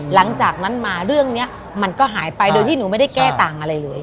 หลังจากนั้นมาเรื่องนี้มันก็หายไปโดยที่หนูไม่ได้แก้ต่างอะไรเลย